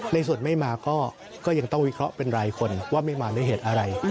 ในส่วนไม่มาก็ยังต้องวิเคราะห์เป็นรายคนว่าไม่มาด้วยเหตุอะไร